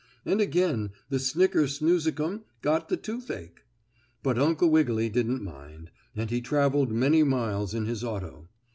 And again the snicker snoozicum got the toothache. But Uncle Wiggily didn't mind, and he traveled many miles in his auto.